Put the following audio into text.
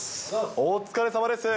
お疲れさまです。